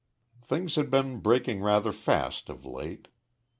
Things had been breaking rather fast of late.